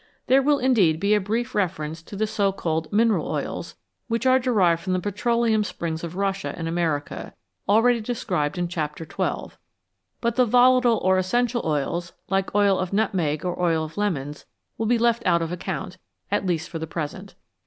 There will indeed be a brief reference to the so called " mineral " oils, which are derived from the petroleum springs of Russia and America, already described in chapter xii., but the " volatile " or " essential " oils, like oil of nutmeg or oil of lemons, will be left out of account, at least for the present.